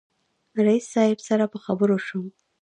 رئیس صاحب سره په خبرو شوم.